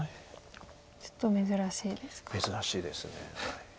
ちょっと珍しいですか。